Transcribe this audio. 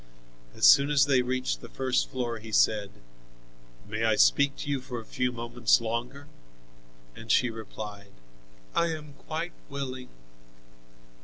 As soon as they reached the first floor he said: "May I speak to you for a few moments longer?" And she replied, "I am quite willing."